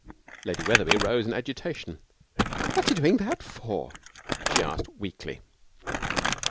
Lady Wetherby rose in agitation. 'What's he doing that for?' she asked, weakly.